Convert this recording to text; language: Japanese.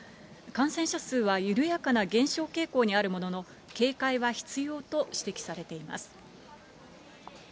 感染者数は緩やかな減少傾向にあるものの、警戒は必要と指摘されています。